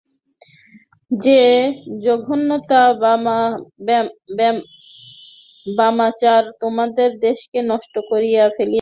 যে জঘন্য বামাচার তোমাদের দেশকে নষ্ট করিয়া ফেলিতেছে, অবিলম্বে তাহা পরিত্যাগ কর।